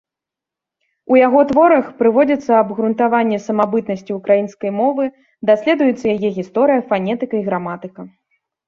У яго творах прыводзіцца абгрунтаванне самабытнасці ўкраінскай мовы, даследуецца яе гісторыя, фанетыка і граматыка.